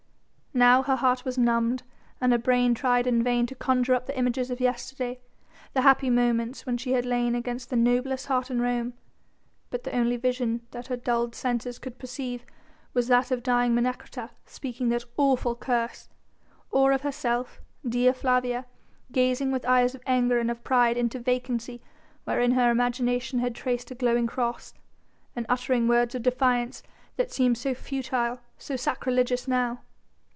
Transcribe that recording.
Now her heart was numbed and her brain tried in vain to conjure up the images of yesterday: the happy moments when she had lain against the noblest heart in Rome. But the only vision that her dulled senses could perceive was that of dying Menecreta speaking that awful curse, or of herself Dea Flavia gazing with eyes of anger and of pride into vacancy wherein her imagination had traced a glowing cross, and uttering words of defiance that seemed so futile, so sacrilegious now.